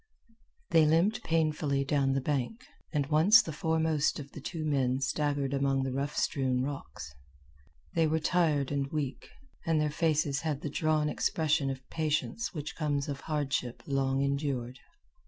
They limped painfully down the bank, and once the foremost of the two men staggered among the rough strewn rocks. They were tired and weak, and their faces had the drawn expression of patience which comes of hardship long endured.